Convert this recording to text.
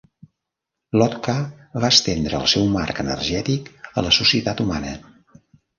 Lotka va estendre el seu marc energètic a la societat humana.